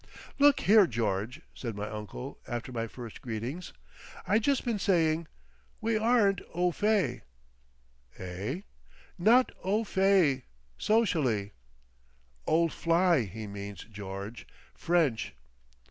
"Look here, George," said my uncle, after my first greetings. "I just been saying: We aren't Oh Fay!" "Eh?" "Not Oh Fay! Socially!" "Old Fly, he means, George—French!"